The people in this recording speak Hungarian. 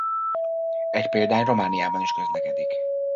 Egy példány Romániában is közlekedik.